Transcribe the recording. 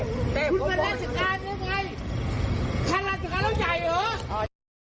ค่าราชการแล้วใหญ่เหอะ